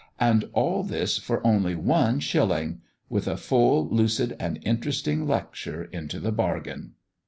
And all this for only one shilling! with a full, lucid, and interesting lecture into the bargain.